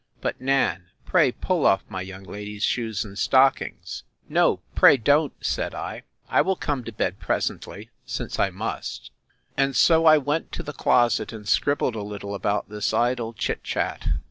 —But Nan, pray pull off my young lady's shoes and stockings.—No, pray don't, said I; I will come to bed presently, since I must. And so I went to the closet, and scribbled a little about this idle chit chat.